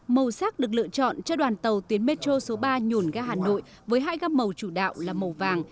màu sắc được lựa chọn cho đoàn tàu tuyến metro số ba nhổn ra hà nội với hai góc màu chủ đạo là màu vàng